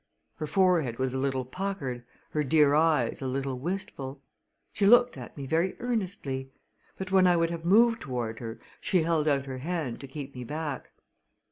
Her forehead was a little puckered, her dear eyes a little wistful. She looked at me very earnestly; but when I would have moved toward her she held out her hand to keep me back.